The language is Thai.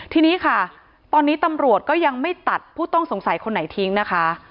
ทีนี้ค่ะตอนนี้ตำรวจก็ยังไม่ตัดผู้ต้องสงสัยคนไหนทิ้งนะคะ